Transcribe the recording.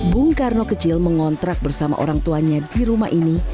bung karno kecil mengontrak bersama orang tuanya di rumah ini